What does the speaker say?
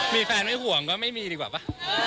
มีแฟนไม่ห่วงก็ไม่มีดีกว่าป่ะ